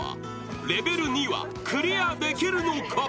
［レベル２はクリアできるのか？］